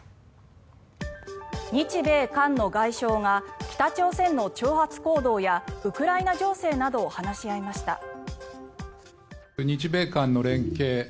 日米韓の外相が北朝鮮の挑発行動やウクライナ情勢などを話し合いました。